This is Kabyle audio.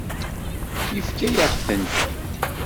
Yefka-yaɣ-tent-id.